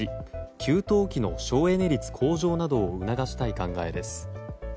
給湯器の省エネ率向上などを促したい考えです。